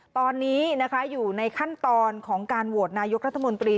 ตอนนี้นะคะอยู่ในขั้นตอนของการโหวตนายกรัฐมนตรี